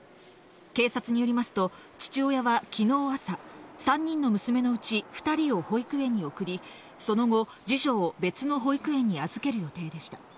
警察によりますと父親は昨日朝３人の娘のうち２人を保育園に送り、その後、二女を別の保育園に預ける予定でした。